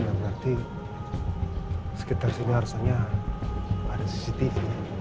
nanti sekitar sini harusnya ada cctv